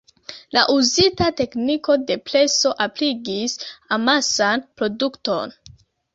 La uzita tekniko de preso ebligis amasan produkton.